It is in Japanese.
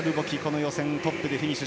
予選トップでフィニッシュ。